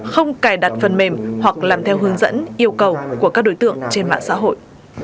không cài đặt phần mềm hoặc làm theo hướng dẫn yêu cầu của các đối tượng trên mạng xã hội